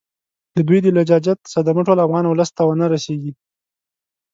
د دوی د لجاجت صدمه ټول افغان اولس ته ونه رسیږي.